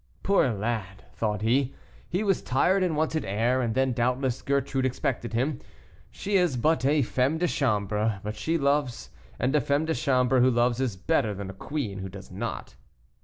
"Poor lad!" thought he, "he was tired and wanted air; and then doubtless Gertrude expected him; she is but a femme de chambre, but she loves, and a femme de chambre who loves is better than a queen who does not."